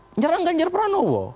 menyerang ganjar prabowo